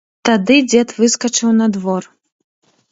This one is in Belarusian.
Тады дзед выскачыў на двор.